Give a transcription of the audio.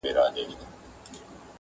o ښه مه پر واړه که، مه پر زاړه که.